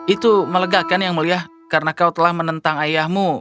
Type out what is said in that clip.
itu melegakan yang mulia karena kau telah menentang ayahmu